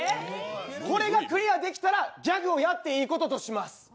これがクリアできたら、ギャグをやっていいこととします。